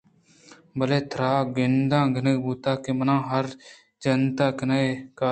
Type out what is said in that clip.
بلئے ترا کڈنّ کنگ بوتگ کہ منا ہر چنت کنئے اے کار ءَ بہ دار